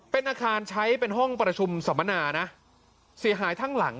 เป็นอาคารใช้เป็นห้องประชุมสัมมนานะเสียหายทั้งหลัง